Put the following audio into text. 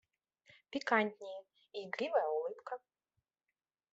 Пикантнее, и игривая улыбка.